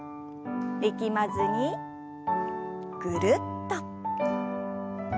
力まずにぐるっと。